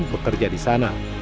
dan bekerja di sana